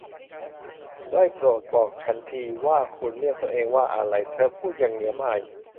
ได้โปรด บอกฉันทีว่าคุณเรียกตัวเองว่าอะไร ? เธอพูดอย่างเหนียมอาย